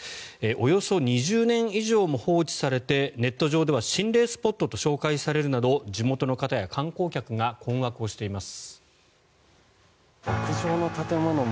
およそ２０年以上も放置されてネット上では心霊スポットと紹介されるなど地元の方や観光客が困惑しています。